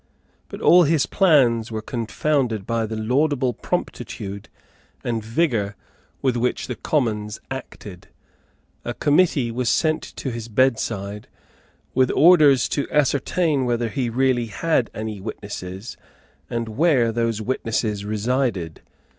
But all his plans were confounded by the laudable promptitude and vigour with which the Commons acted. A Committee was sent to his bedside, with orders to ascertain whether he really had any witnesses, and where those witnesses resided.